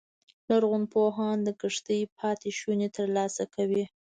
لرغونپوهان د کښتۍ پاتې شونې ترلاسه کوي